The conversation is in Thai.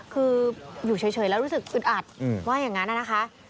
คืออยู่เฉยแล้วรู้สึกอึดอัดว่าอย่างนั้นนะคะ